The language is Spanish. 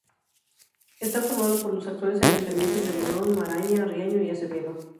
Está formada por los actuales ayuntamientos de Burón, Maraña, Riaño y Acebedo.